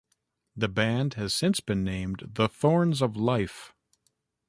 The band has since been named The Thorns of Life.